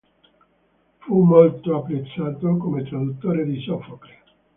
Fu molto apprezzato come traduttore di Sofocle.